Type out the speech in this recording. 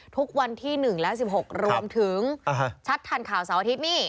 ทุกวันที่หนึ่งและสิบหกรวมถึงชัดทันข่าวเสาร์อาทิตย์นี้